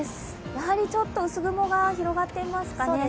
やはりちょっと薄雲が広がっていますかね。